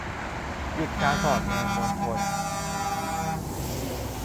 หยุดการสอดแนมมวลชน